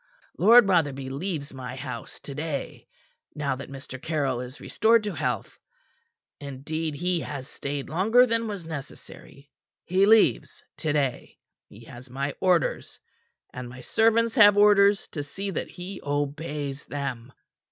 Lord Rotherby leaves my house to day now that Mr. Caryll is restored to health. Indeed, he has stayed longer than was necessary. He leaves to day. He has my orders, and my servants have orders to see that he obeys them.